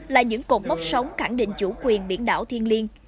là những cột mốc sóng khẳng định chủ quyền biển đảo thiên liên